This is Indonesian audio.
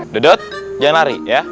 dodot jangan lari ya